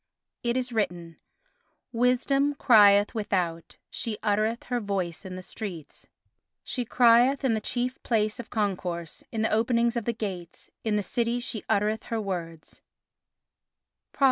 It is written: "Wisdom crieth without; she uttereth her voice in the streets: "She crieth in the chief place of concourse, in the openings of the gates: in the city she uttereth her words" (Prov.